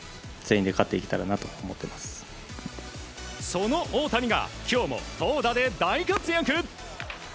その大谷が今日も投打で大活躍。